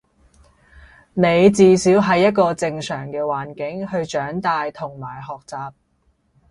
你至少係一個正常嘅環境去長大同埋學習